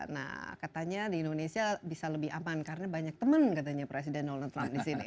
nah katanya di indonesia bisa lebih aman karena banyak teman katanya presiden donald trump di sini